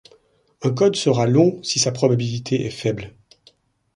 Un code sera long si sa probabilité est faible.